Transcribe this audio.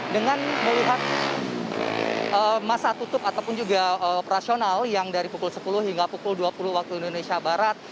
dengan melihat masa tutup ataupun juga operasional yang dari pukul sepuluh hingga pukul dua puluh waktu indonesia barat